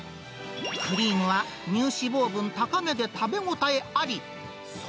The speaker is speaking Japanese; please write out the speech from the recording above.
クリームは乳脂肪分高めで食べ応えあり。